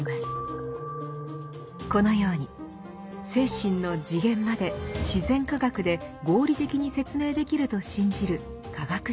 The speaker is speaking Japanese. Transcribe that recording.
このように精神の次元まで自然科学で合理的に説明できると信じる科学主義。